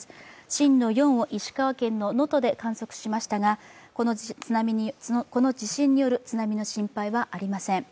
震度４を石川県の能登で観測しましたがこの地震による津波の心配はありません。